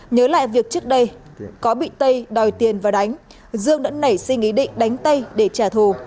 nhớ lại việc trước đây có bị tây đòi tiền và đánh dương đã nảy sinh ý định đánh tây để trả thù